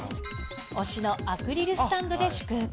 推しのアクリルスタンドで祝福。